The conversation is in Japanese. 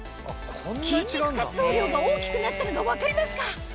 筋肉活動量が大きくなったのが分かりますか？